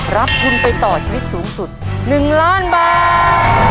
รับทุนไปต่อชีวิตสูงสุด๑ล้านบาท